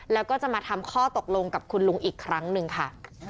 แล้วก็จะมาทำข้อตกลงกับคุณลุงอีกครั้งหนึ่งค่ะ